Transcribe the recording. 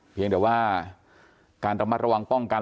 เพียงแต่ว่าการระมัดระวังป้องกัน